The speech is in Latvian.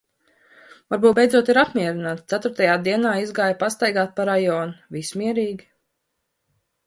Varbūt beidzot ir apmierinātas. Ceturtajā dienā izgāju pastaigāt pa rajonu. Viss mierīgi.